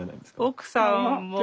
奥さんも。